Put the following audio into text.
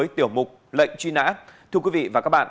tiểu mục lệnh truy nã